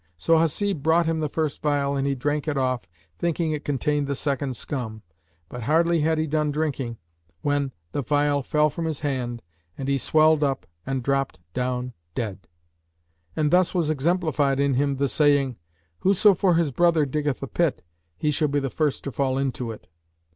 So Hasib brought him the first phial and he drank it off, thinking it contained the second scum; but hardly had he done drinking when the phial fell from his hand and he swelled up and dropped down dead; and thus was exemplified in him the saying; "Whoso for his brother diggeth a pit, he shall be the first to fall into it."